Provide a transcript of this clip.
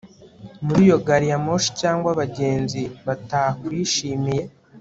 muri iyo gari ya moshi cyangwa abagenzi batakwishimiye